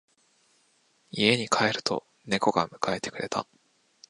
家に帰ると猫が迎えてくれた。